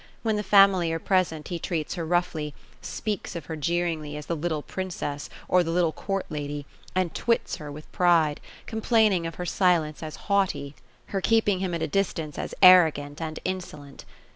When the family are present, he treats her roughly ; speaks of her jeer ingly as the little princess, or the little court lady ; and twits her with pride, — complaining of her silence as haughty, her keeping him at a dis I THE ROSE OF ELSINORE. 221 tauce as arrogant and insolent.